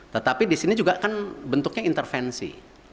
tetapi di sini juga kan bentuknya intervensi